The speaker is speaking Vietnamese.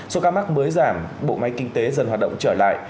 số ca mắc mới giảm bộ máy kinh tế dần hoạt động trở lại